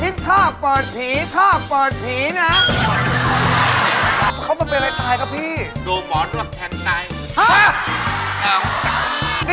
นี่เป็นหมอจากเมืองจีนหรือครับ